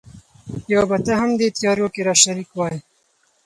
یو به ته هم دې تیارو کي را شریک وای